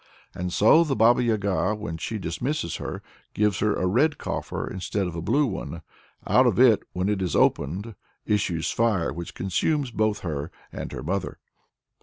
And so the Baba Yaga, when she dismisses her, gives her a red coffer instead of a blue one. Out of it, when it is opened, issues fire, which consumes both her and her mother.